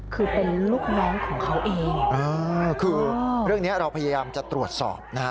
คือเป็นลูกน้องของเขาเองเออคือเรื่องนี้เราพยายามจะตรวจสอบนะฮะ